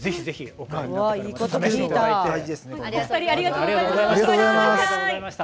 お二人ありがとうございました。